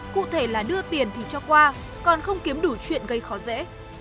cụ thể là đưa tiền thì cho qua còn không kiếm đủ chuyện gây khó dễ